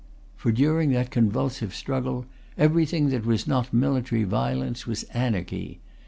For, during that convulsive struggle, everything that was not military violence was anarchy.